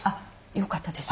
よかったです。